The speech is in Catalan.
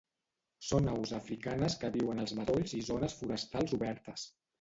Són aus africanes que viuen als matolls i zones forestals obertes.